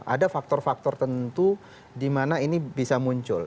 ada faktor faktor tentu di mana ini bisa muncul